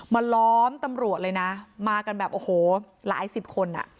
ล้อมตำรวจเลยนะมากันแบบโอ้โหหลายสิบคนอ่ะ